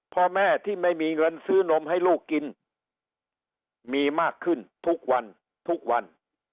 พ่อแม่ที่ไม่มีเงินซื้อนมให้ลูกกินมีมากขึ้นทุกวันทุกวัน